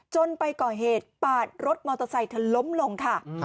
ไปก่อเหตุปาดรถมอเตอร์ไซค์เธอล้มลงค่ะ